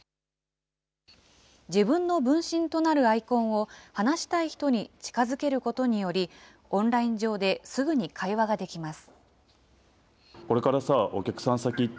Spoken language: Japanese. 自分の分身となるアイコンを話したい人に近づけることにより、オンライン上ですぐに会話ができます。